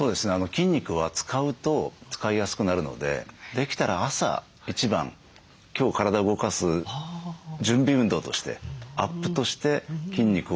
筋肉は使うと使いやすくなるのでできたら朝一番今日体動かす準備運動としてアップとして筋肉を使ってほしいですね。